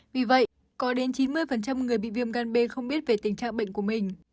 vì vậy có đến chín mươi người bị viêm ngăn bê không biết về tình trạng bệnh của mình